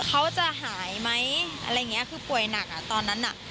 เขาจะหายไหมอะไรอย่างเงี้ยคือป่วยหนักอ่ะตอนนั้นอ่ะ